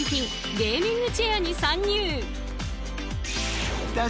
ゲーミングチェアに参入。